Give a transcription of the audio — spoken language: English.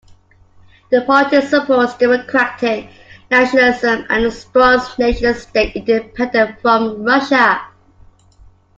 The party supports democratic nationalism and a strong nation state independent from Russia.